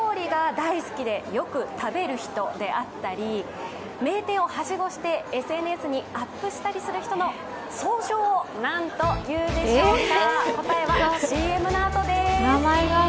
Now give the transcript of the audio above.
大好きでよく食べる人であったり名店をはしごして、ＳＮＳにアップしたりする人の総称を何と言うでしょうか？